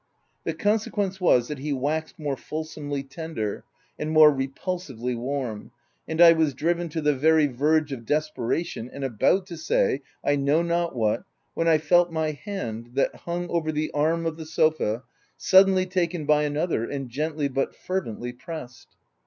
The consequence was, that he waxed more fulsomely tender, and more repulsively warm, and I was driven to the very verge of desperation, and about to say, I know not what, when I felt my hand that hung over the arm of the sofa, suddenly taken by another and gently but fervently pressed.